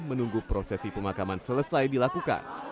menunggu prosesi pemakaman selesai dilakukan